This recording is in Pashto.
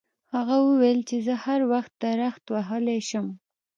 هغه وویل چې زه هر درخت وهلی شم.